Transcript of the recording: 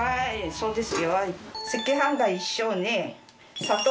そうです。